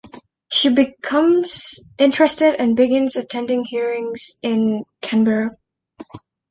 She becomes interested and begins attending hearings in Canberra.